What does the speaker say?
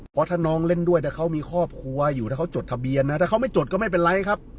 เพราะถ้าน้องเล่นด้วยถ้าเขามีครอบครัวอยู่ถ้าเขาจดทะเบียนนะถ้าเขาไม่จดก็ไม่เป็นไรครับ